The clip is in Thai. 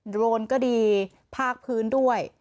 โรนก็ดีภาคพื้นด้วย